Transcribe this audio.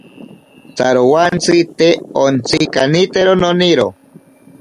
Tsarowantsi te ontsikanitero noniro.